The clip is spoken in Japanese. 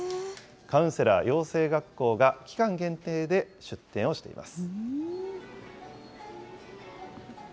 カウンセラー養成学校が期間限定で出店をしています。